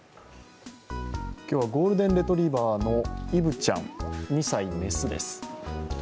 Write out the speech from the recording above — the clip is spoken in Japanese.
今日はゴールデンレトリバーのイブちゃん、２歳メスです。